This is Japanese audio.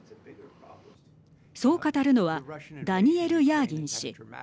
そう語るのはダニエル・ヤーギン氏。